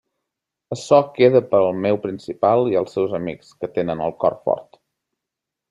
Açò queda per al meu principal i els seus amics, que tenen el cor fort.